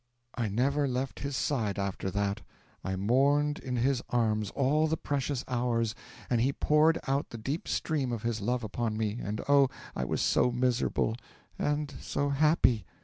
'I never left his side after that. I mourned in his arms all the precious hours, and he poured out the deep stream of his love upon me, and oh, I was so miserable and so happy!